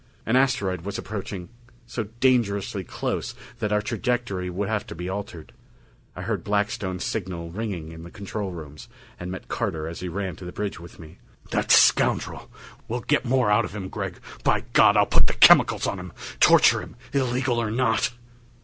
An asteroid was approaching, so dangerously close that our trajectory would have to be altered. I heard Blackstone's signals ringing in the control rooms; and met Carter as he ran to the bridge with me. "That scoundrel! We'll get more out of him, Gregg. By God, I'll put the chemicals on him torture him illegal or not!"